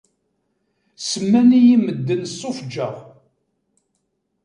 Semman-iyi medden sufğeɣ.